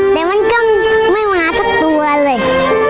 แต่มันก็ไม่มาสักตัวเลย